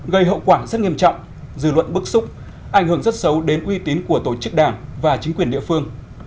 gây hậu quả rất nghiêm trọng dư luận bức xúc ảnh hưởng rất xấu đến uy tín của tổ chức đảng và chính quyền địa phương